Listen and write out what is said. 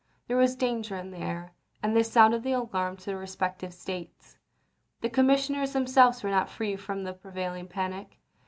There was danger in the air, and they sounded the alarm to their respective States. The commissioners themselves were not free from the prevailing panic.